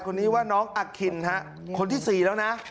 คนนี้ว่าน้องอคินฮะคนที่๔แล้วนะ